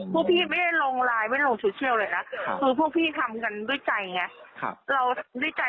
พวกพี่ไม่ได้ลงไลน์ไม่ได้ลงโซเชียลเลยนะคือพวกพี่ทำกันด้วยใจไง